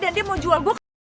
dan dia mau jual gue